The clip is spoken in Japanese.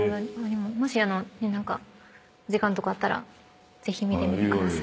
もし時間とかあったらぜひ見てみてください。